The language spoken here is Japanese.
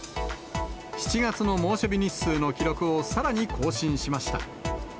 ７月の猛暑日日数の記録を、さらに更新しました。